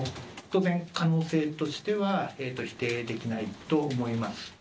当然可能性としては否定できないと思います。